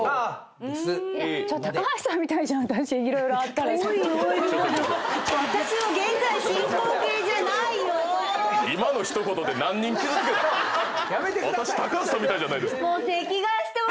あっそうなの⁉「私高橋さんみたいじゃないですか！」